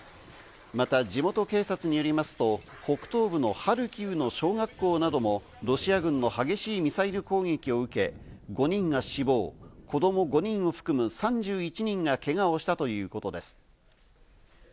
また地元警察によりますと、北東部のハルキウの小学校などもロシア軍の激しいミサイル攻撃を受け、５人が死亡、子供５人を含む３１人がけがをしたということです。